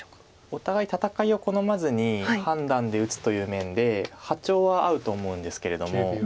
お互い戦いを好まずに判断で打つという面で波長は合うと思うんですけれども。